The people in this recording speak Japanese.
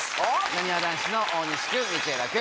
なにわ男子の大西君道枝君。